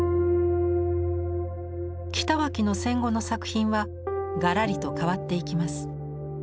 北脇の戦後の作品はがらりと変わっていきます。